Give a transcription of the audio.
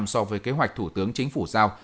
so với kế hoạch thủ tướng chính phủ giao